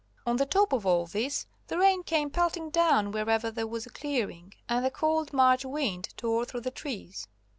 On the top of all this the rain came pelting down wherever there was a clearing, and the cold March wind tore through the trees.